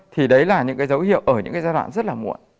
thì đấy là những dấu hiệu ở những giai đoạn rất là muộn